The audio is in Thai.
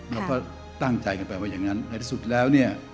เราก็ตั้งใจกันไปว่าอย่างนั้นในที่สุดแล้วเนี่ย